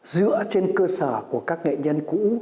dựa trên cơ sở của các nghệ nhân cũ